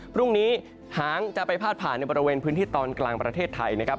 พรุ่งนี้หางจะไปพาดผ่านในบริเวณพื้นที่ตอนกลางประเทศไทยนะครับ